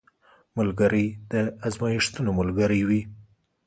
ملګری د ازمېښتو ملګری وي